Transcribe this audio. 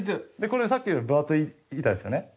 これさっきより分厚い板ですよね。